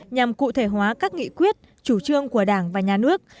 nhằm cụ thể hóa các nghị quyết chủ trương của đảng và nhà nước